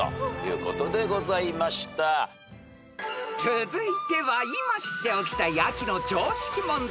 ［続いては今知っておきたい秋の常識問題］